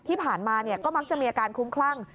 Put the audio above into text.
ที่ผ่านมาก็มักจะมีอาการคุ้มคลั่ง